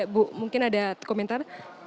bu mungkin ada komentar